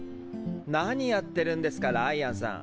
何やってるんですかライアンさん。